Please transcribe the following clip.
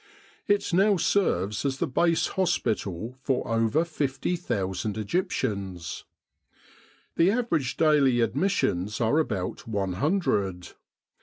It now serves as the Base hospital for over 50,000 Egyptians. The average daily admissions are about one hundred.